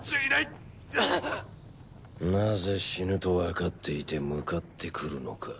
なぜ死ぬとわかっていて向かってくるのか。